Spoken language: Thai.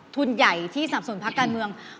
ทุนใหญ่ที่สนับสนพักการเมือง